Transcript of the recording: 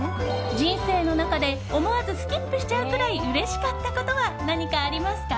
人生の中で思わずスキップしちゃうくらいうれしかったことは何かありますか？